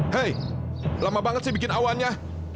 hei lama banget sih bikin awannya